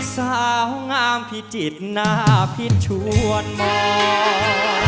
สาวงามพิจิตรหน้าพิษชวนมอง